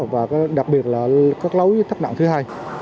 và đặc biệt là các lối thấp nặng thứ hai